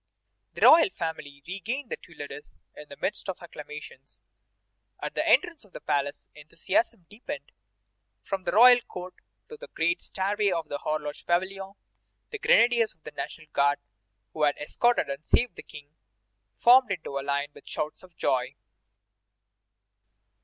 The royal family regained the Tuileries in the midst of acclamations. At the entrance of the palace enthusiasm deepened. From the Royal Court to the great stairway of the Horloge Pavilion, the grenadiers of the National Guard, who had escorted and saved the King, formed into line with shouts of joy.